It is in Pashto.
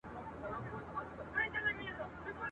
د لوګي په څېر به ورک سي په خپل ځان کي ..